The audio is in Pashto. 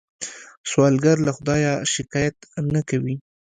سوالګر له خدایه شکايت نه کوي